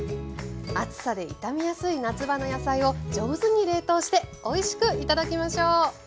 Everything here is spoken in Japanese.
暑さで傷みやすい夏場の野菜を上手に冷凍しておいしく頂きましょう。